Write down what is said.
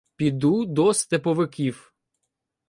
Піду до степовиків.